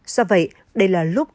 do vậy đây là lúc